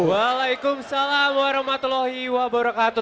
wa'alaikumussalam warahmatullahi wabarakatuh